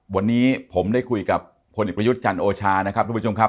วันนี้ผมได้คุยกับพลเอกประยุทธ์จันทร์โอชานะครับทุกผู้ชมครับ